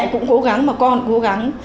cũng cố gắng mà con cũng cố gắng